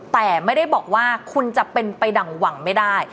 แต่ไม่ได้บอกว่าคุณจะเป็นไปดั่งหวังไม่ได้